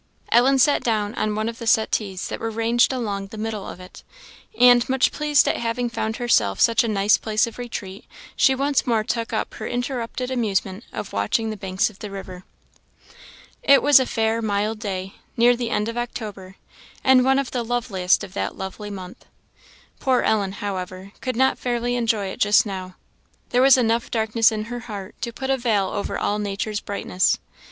Ellen sat down on one of the settees that were ranged along the middle of it, and much pleased at having found herself such a nice place of retreat, she once more took up her interrupted amusement of watching the banks of the river. It was a fair, mild day, near the end of October, and one of the loveliest of that lovely month. Poor Ellen, however, could not fairly enjoy it just now. There was enough darkness in her heart to put a veil over all nature's brightness.